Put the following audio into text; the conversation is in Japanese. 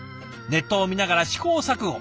ネットを見ながら試行錯誤。